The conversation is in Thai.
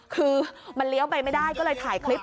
คือมันเลี้ยวไปไม่ได้ก็เลยถ่ายคลิป